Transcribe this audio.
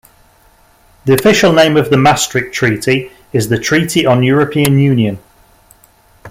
The official name of the Maastricht Treaty is the Treaty on European Union.